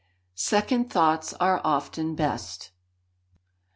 [SECOND THOUGHTS ARE OFTEN BEST.